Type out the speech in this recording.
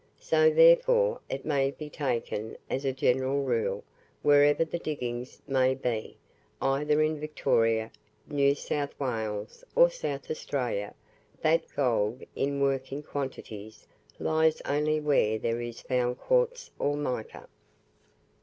So, therefore, it may be taken as a general rule, wherever the diggings may be, either in Victoria, New South Wales, or South Australia, that gold in "working" quantities lies only where there is found quartz or mica.